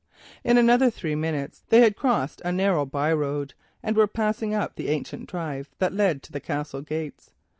In another three minutes they had crossed a narrow by road, and were passing up the ancient drive that led to the Castle gates.